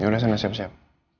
yaudah sana siap siap